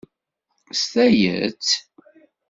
S tayet.